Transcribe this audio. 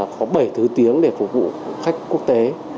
có bảy thứ tiếng để phục vụ khách quốc tế